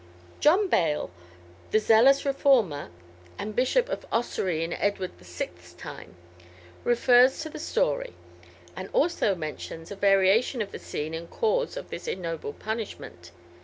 John Bale, the zealous reformer, and Bishop of Ossory in Edward VI.'s time, refers to this story, and also mentions a variation of the scene and cause of this ignoble punishment.